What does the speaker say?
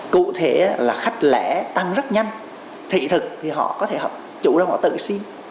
cụ thể là khách lẻ tăng rất nhanh thị thực thì họ có thể chủ ra họ tự xin